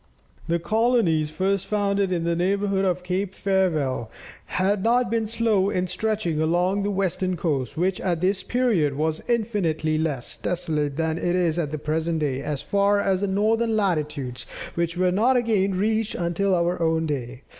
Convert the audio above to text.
The colonies first founded in the neighbourhood of Cape Farewell, had not been slow in stretching along the western coast, which at this period was infinitely less desolate than it is at the present day, as far as northern latitudes, which were not again reached until our own day.